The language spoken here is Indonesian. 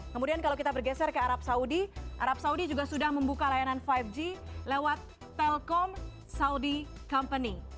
kemudian kalau kita bergeser ke arab saudi arab saudi juga sudah membuka layanan lima g lewat telkom saudi company